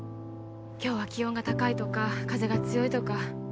今日は気温が高いとか風が強いとか